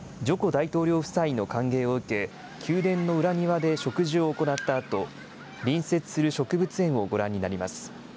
大統領夫妻の歓迎を受け、宮殿の裏庭で植樹を行ったあと、隣接する植物園をご覧になります。